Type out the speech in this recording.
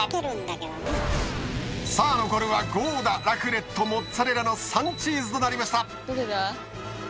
さあ残るはゴーダラクレットモッツァレラの３チーズとなりました！